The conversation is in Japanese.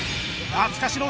「懐かしい！」